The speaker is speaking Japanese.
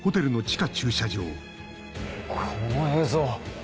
この映像。